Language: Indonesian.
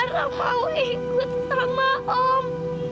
karena mau ikut sama om